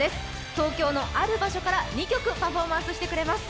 東京のある場所から２曲パフォーマンスしてくれます。